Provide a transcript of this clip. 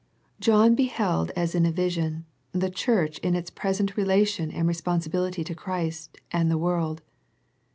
John beheld as in a vision, the Church in its present relation and responsibility to Christ and the world.